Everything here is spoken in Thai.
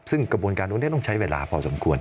ซึ่งกระบวนการตรงนี้ต้องใช้เวลาพอสมควร